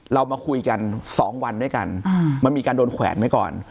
เรามาคุยกัน๒วันด้วยกันมันมีการโดนแขวนไว้ก่อน